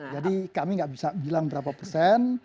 jadi kami tidak bisa bilang berapa persen